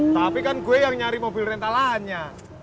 tapi kan gue yang nyari mobil rentalanya